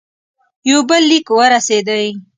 یو بل لیک ورسېدی.